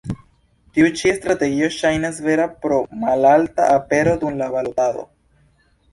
Tiu ĉi strategio ŝajnas vera pro malalta apero dum la balotado.